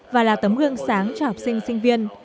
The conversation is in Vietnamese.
và là tấm gương sáng cho học sinh sinh viên